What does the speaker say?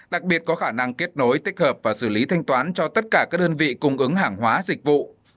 đặc biệt có khả năng kết nối tích hợp và xử lý thanh toán cho tất cả các đơn vị cung ứng hàng hóa dịch vụ